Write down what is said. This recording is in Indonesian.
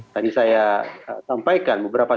tadi saya sampaikan beberapa